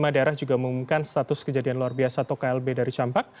lima daerah juga mengumumkan status kejadian luar biasa atau klb dari campak